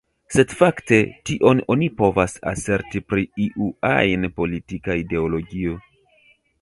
Sed fakte, tion oni povas aserti pri iu ajn politika ideologio.